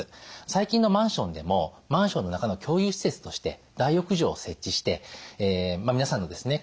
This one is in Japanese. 最近のマンションでもマンションの中の共有施設として大浴場を設置して皆さんのですね